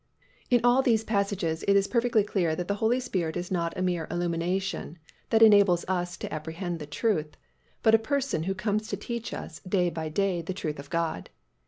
In all these passages it is perfectly clear that the Holy Spirit is not a mere illumination that enables us to apprehend the truth, but a Person who comes to us to teach us day by day the truth of God.